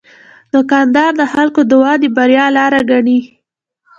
دوکاندار د خلکو دعا د بریا لاره ګڼي.